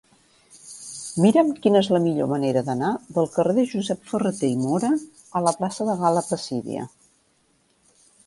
Mira'm quina és la millor manera d'anar del carrer de Josep Ferrater i Móra a la plaça de Gal·la Placídia.